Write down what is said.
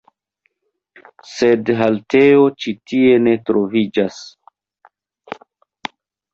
Sed haltejo ĉi tie ne troviĝas.